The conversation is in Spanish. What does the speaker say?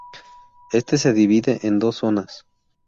Este se divide en dos zonas.